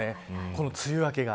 この梅雨明けが。